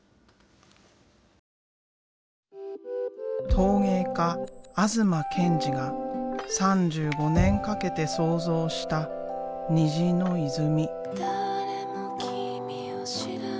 陶芸家東健次が３５年かけて創造した「虹の泉」。